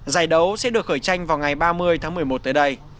giải đấu sẽ được khởi tranh vào ngày ba mươi tháng một mươi một tới đây